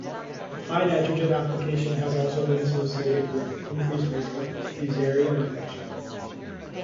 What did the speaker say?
High nitrogen application has also been associated with increased risk of "Fusarium" infection.